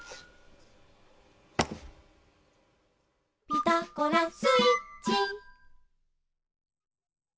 「ピタゴラスイッチ」